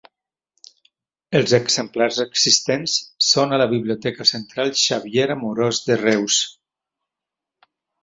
Els exemplars existents són a la Biblioteca Central Xavier Amorós de Reus.